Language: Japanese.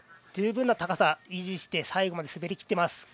十分な高さを維持して最後まで滑り切っています。